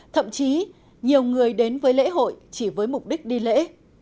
thậm chí nhiều người đến với lễ hội chỉ với mục đích đi lễ